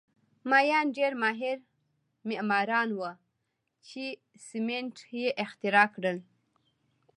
مایان ډېر ماهر معماران وو چې سیمنټ یې اختراع کړل